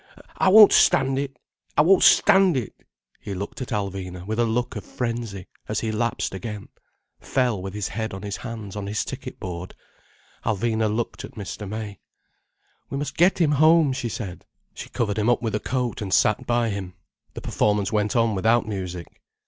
I won't stand it—I won't stand it—" He looked at Alvina with a look of frenzy as he lapsed again, fell with his head on his hands on his ticket board. Alvina looked at Mr. May. "We must get him home," she said. She covered him up with a coat, and sat by him. The performance went on without music.